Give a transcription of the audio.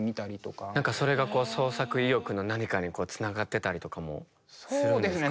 それが創作意欲の何かにつながってたりとかもするんですか？